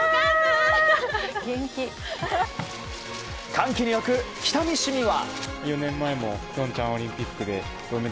歓喜に沸く北見市には。